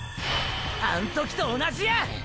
あん時と同じや！！